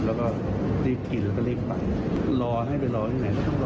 แล้วก็ที่กินก็เรียกว่ารอให้ไปรอที่ไหน